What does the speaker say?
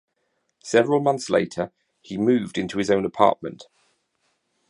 Several months later, he moved into his own apartment.